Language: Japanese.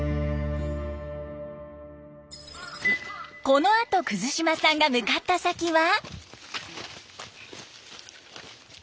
このあと島さんが向かった先は。